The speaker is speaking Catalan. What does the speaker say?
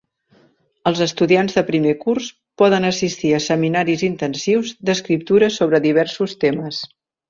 Els estudiants de primer curs poden assistir a seminaris intensius d'escriptura sobre diversos temes.